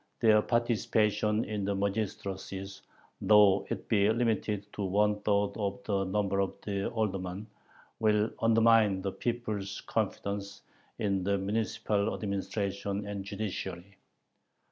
e._ their participation in the magistracies, though it be limited to one third of the number of aldermen, will undermine the people's confidence in the municipal administration and judiciary.